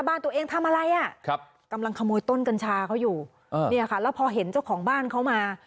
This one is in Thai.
แบรึคะแล้วพอเห็นเจ้าของบ้านเขามา